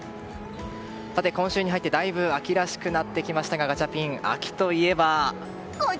さて今週に入ってだいぶ秋らしくなってきましたがガチャピン、秋といえば。